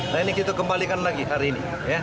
nah ini kita kembalikan lagi hari ini